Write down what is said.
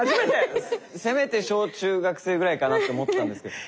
せめて小・中学生ぐらいかなと思ったんですけど。